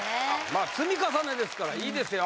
まあ積み重ねですからいいですよ